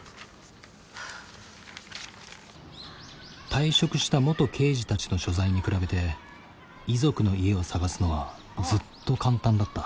退職した元刑事たちの所在に比べて遺族の家を探すのはずっと簡単だった。